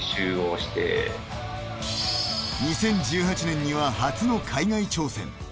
２０１８年には初の海外挑戦。